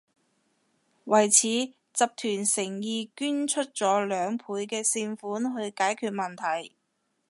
為此，集團誠意捐出咗兩倍嘅善款去解決問題